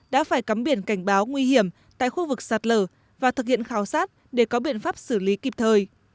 đã phải cắm biển cảnh báo nguy hiểm tại khu vực sạt lở và thực hiện khảo sát để có biện pháp xử lý kịp thời